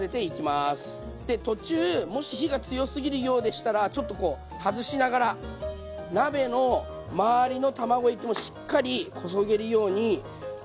で途中もし火が強すぎるようでしたらちょっとこう外しながら鍋の周りの卵液もしっかりこそげるようにかき混ぜていきます。